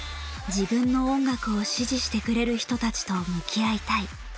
自分の音楽を支持してくれる人たちと向き合いたい。